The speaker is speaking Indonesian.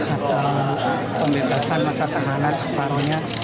atau pembebasan masa tahanan separohnya